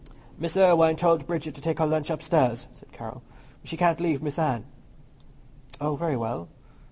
"Miss Irwine told Bridget to take her lunch upstairs," said Carroll; "she can't leave Miss Anne." "Oh, very well.